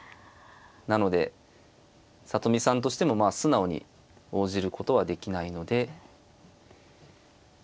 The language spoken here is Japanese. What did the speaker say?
なので里見さんとしても素直に応じることはできないので。